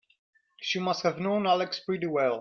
She must have known Alex pretty well.